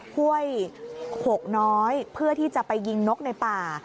ห้วยโขกน้อยเพื่อที่จะไปยิงนกในป่า